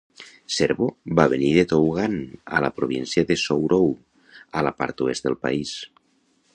Zerbo va venir de Tougan, a la província de Sourou, a la part oest del país.